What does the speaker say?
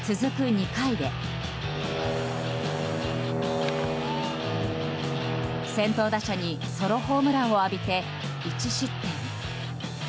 ２回で先頭打者にソロホームランを浴びて１失点。